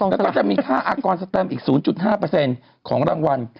แล้วก็จะมีค่าอากรสแปมอีก๐๕เปอร์เซ็นต์ของรางวัล